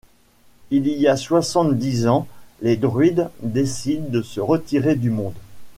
Il y a soixante-dix ans, les druides décident de se retirer du monde.